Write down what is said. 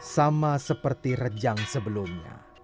sama seperti rejang sebelumnya